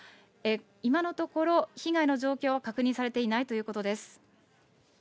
今のところ被害の状況は確認されていないということです。